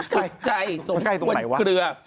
สุดใจส่งที่บนเกลือ